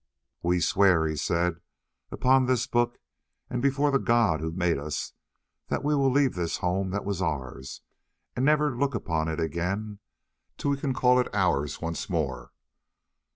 "We swear," he said, "upon this book and before the God who made us that we will leave this home that was ours, and never look upon it again till we can call it ours once more.